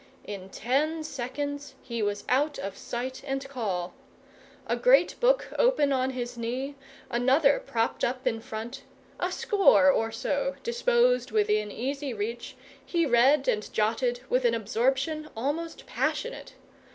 In ten seconds he was out of sight and call. A great book open on his knee, another propped up in front, a score or so disposed within easy reach, he read and jotted with an absorption almost passionate.